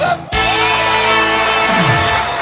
ถ้าตอบผิดไม่เป็นไรนั่งอยู่ต่อนะครับ